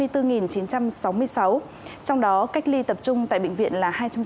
trong đó cách ly tập trung tại bệnh viện là hai trăm bốn mươi sáu